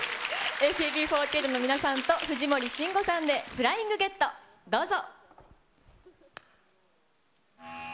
ＡＫＢ４８の皆さんと藤森慎吾さんで、フライングゲット、どうぞ。